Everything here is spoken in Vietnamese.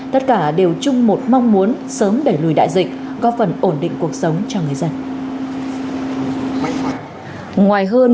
tất cả đều chung một mong muốn sớm đẩy lùi đại dịch có phần ổn định cuộc sống cho người dân